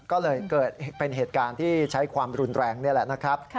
ก็เลยเกิดเป็นเหตุการณ์ที่ใช้ความรุนแรงนี่แหละนะครับ